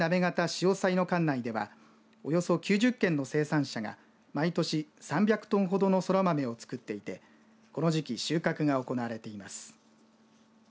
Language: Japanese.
しおさいの管内ではおよそ９０軒の生産者が毎年３００トンほどのそら豆を作っていてこの時期収穫が行われています。